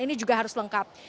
ini juga harus lengkap